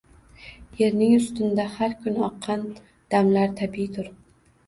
Yerning ustinda har kun oqqan damlar tabiiydur